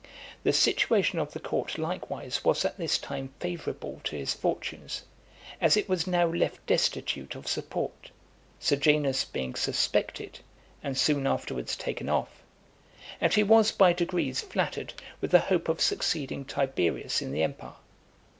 The situation of the court likewise was at this time favourable to his fortunes, as it was now left destitute of support, Sejanus being suspected, and soon afterwards taken off; and he was by degrees flattered with the hope of succeeding Tiberius in the empire.